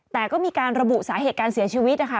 แต่ก็มีการระบุสาเหตุการเสียชีวิตนะคะ